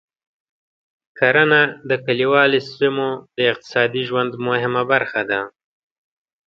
کرنه د کليوالو سیمو د اقتصادي ژوند مهمه برخه ده.